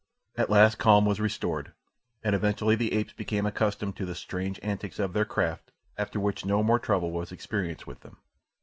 At last calm was restored, and eventually the apes became accustomed to the strange antics of their craft, after which no more trouble was experienced with them.